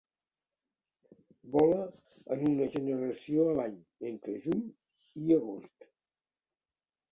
Vola en una generació a l'any, entre juny i agost.